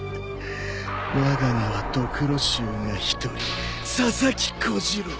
わが名は髑髏衆が一人佐々木小次郎。